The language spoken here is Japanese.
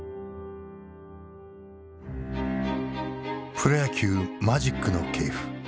プロ野球マジックの系譜。